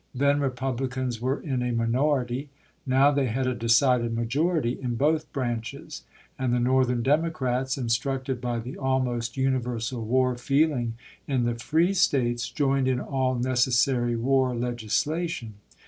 Then Republicans were in a minority ; now they had a decided majority in both branches ; and the Northern Democrats, instructed by the almost universal war feeling in the free States, joined in all necessary war legislation.